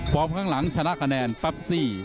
พร้อมข้างหลังชนะกระแนนแป๊บซี่